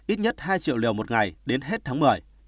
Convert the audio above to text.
ít nhất hai triệu liều một ngày đến hết tháng một mươi